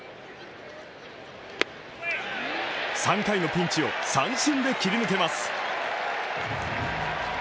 ３回のピンチを三振で切り抜けます。